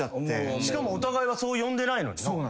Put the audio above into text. しかもお互いがそう呼んでないのにな。